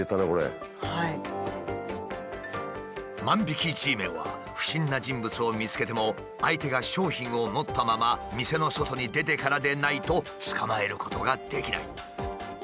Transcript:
万引きＧメンは不審な人物を見つけても相手が商品を持ったまま店の外に出てからでないと捕まえることができない。